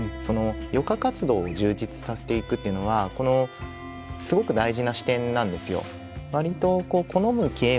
余暇活動を充実させていくというのはすごく大事な視点なんですよ。